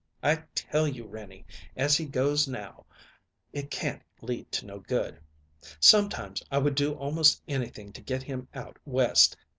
I tell you, Renie, as he goes now, it can't lead to no good; sometimes I would do almost anything to get him out West.